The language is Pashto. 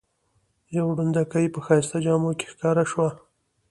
یوه ړندوکۍ په ښایسته جامو کې ښکاره شوه.